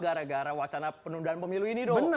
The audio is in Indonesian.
gara gara wacana penundaan pemilu ini dong